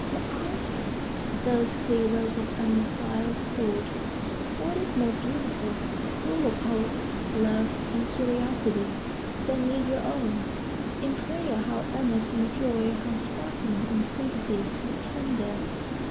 Their eyes, those clear wells of undefiled thought,—what is more beautiful? Full of hope, love, and curiosity, they meet your own. In prayer, how earnest; in joy, how sparkling; in sympathy, how tender!